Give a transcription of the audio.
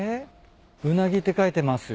「うなぎ」って書いてますよ。